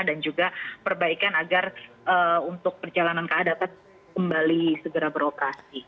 dan juga perbaikan agar untuk perjalanan ka dapat kembali segera beroperasi